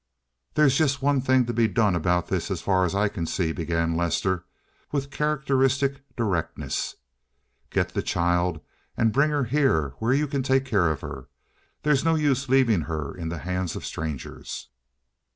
"There's just one thing to be done about this as far as I can see," began Lester, with characteristic directness. "Get the child and bring her here where you can take care of her. There's no use leaving her in the hands of strangers."